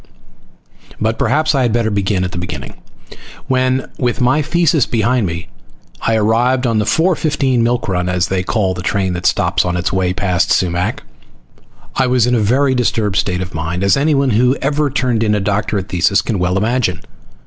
But perhaps I had better begin at the beginning when, with my thesis behind me, I arrived on the 4:15 milk run, as they call the train that stops on its way past Sumac. I was in a very disturbed state of mind, as anyone who has ever turned in a doctorate thesis can well imagine.